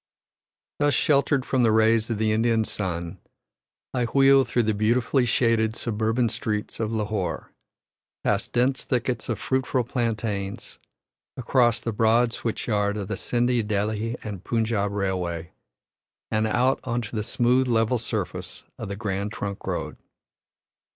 Thus sheltered from the rays of the Indian sun, I wheel through the beautifully shaded suburban streets of Lahore, past dense thickets of fruitful plantains, across the broad switch yard of the Scinde, Delhi & Punjab Railway, and out on to the smooth, level surface of the Grand Trunk Road.